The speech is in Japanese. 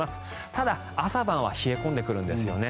ただ、朝晩は冷え込んでくるんですよね。